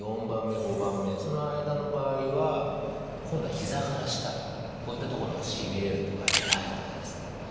４番目５番目その間の場合は今度は膝から下こういったところがしびれるとか痛いとかですね